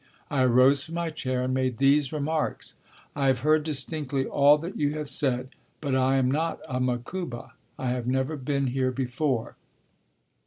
I arose from my chair and made these remarks: "I have heard distinctly all that you have said, but I am not a Makuba; I have never been here before."